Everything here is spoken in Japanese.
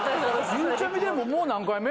ゆうちゃみでももう何回目？